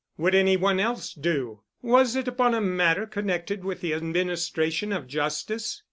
Would any one else do? Was it upon a matter connected with the administration of justice?